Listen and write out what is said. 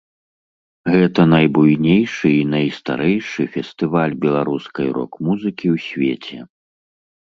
Гэта найбуйнейшы і найстарэйшы фестываль беларускай рок-музыкі ў свеце.